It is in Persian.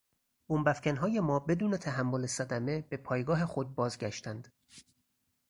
بمب افکنهای ما بدون تحمل صدمه به پایگاه خود باز گشتند.